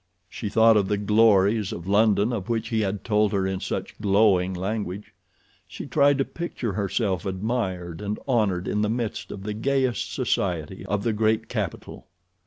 She thought of the glories of London, of which he had told her in such glowing language. She tried to picture herself admired and honored in the midst of the gayest society of the great capital.